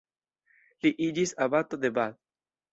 Li iĝis abato de Bath.